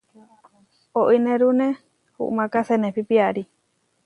Oínerune uʼmáka senepí piarí.